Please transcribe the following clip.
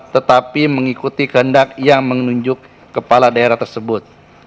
tetapi mengikuti kehendak yang menunjuk kepala daerah tersebut